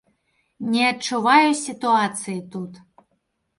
Не адчуваю сітуацыі тут.